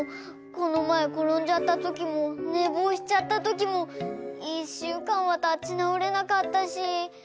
このまえころんじゃったときもねぼうしちゃったときもいっしゅうかんはたちなおれなかったし。